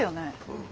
うん。